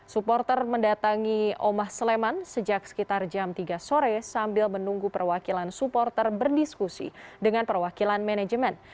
supporter mendatangi omah sleman sejak sekitar jam tiga sore sambil menunggu perwakilan supporter berdiskusi dengan perwakilan manajemen